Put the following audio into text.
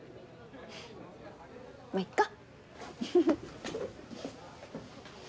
まっいっか。